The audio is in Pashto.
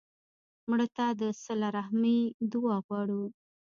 مړه ته د صله رحمي دعا غواړو